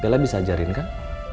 bella bisa ajarin kan